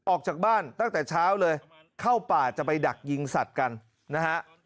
ออกจากบ้านตั้งแต่เช้าเลยเข้าป่าจะไปดักยิงสัตว์กันนะฮะ